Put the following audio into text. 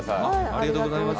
ありがとうございます。